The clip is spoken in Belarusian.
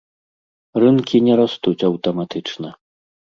Рынкі не растуць аўтаматычна.